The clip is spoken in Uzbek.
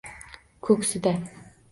Ko’ksida